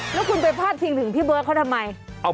แล้วคุณไปพาดพิงถึงพี่เบิร์ตเขาทำไม